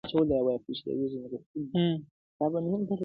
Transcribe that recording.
څو مکتبونه لا مدرسې وي -